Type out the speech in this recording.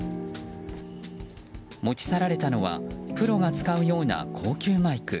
持ち去られたのはプロが使うような高級マイク。